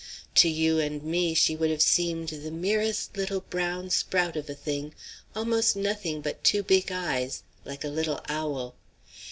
To you and me she would have seemed the merest little brown sprout of a thing, almost nothing but two big eyes like a little owl.